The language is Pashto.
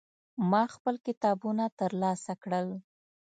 ما خپل کتابونه ترلاسه کړل.